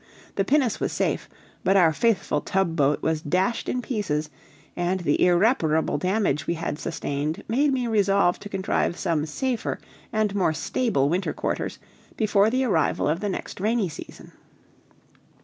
The pinnace was safe, but our faithful tub boat was dashed in pieces, and the irreparable damage we had sustained made me resolve to contrive some safer and more stable winter quarters before the arrival of the next rainy season.